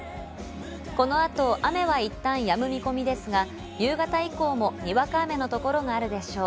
この後、雨はいったんはやむ見込みですが、夕方以降もにわか雨の所があるでしょう。